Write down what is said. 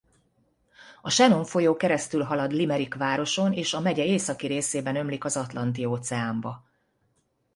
A Shannon folyó keresztülhalad Limerick városon és a megye északi részében ömlik az Atlanti-óceánba.